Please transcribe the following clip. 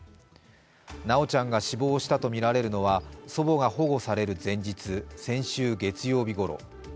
修ちゃんが死亡したとみられるのは祖母が保護される前日先週月曜日ごろ。